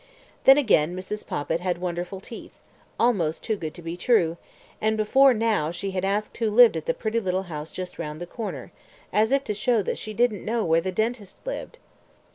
Then again, Mrs. Poppit had wonderful teeth, almost too good to be true, and before now she had asked who lived at that pretty little house just round the corner, as if to show that she didn't know where the dentist lived!